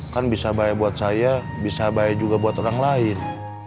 kan bisa bahaya buat saya bisa bahaya juga buat orang lain